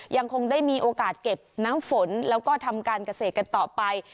ยังคงได้มีโอกาสเก็บน้ำฝนแล้วก็ทำการเกษตรกันต่อไป